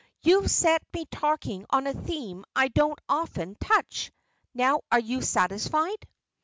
You've set me talking on a theme I don't often touch. Now, are you satisfied?"